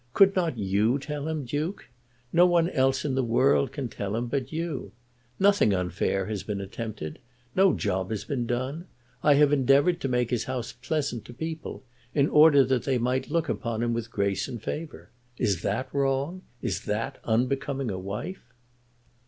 Could not you tell him, Duke? No one else in the world can tell him but you. Nothing unfair has been attempted. No job has been done. I have endeavoured to make his house pleasant to people, in order that they might look upon him with grace and favour. Is that wrong? Is that unbecoming a wife?"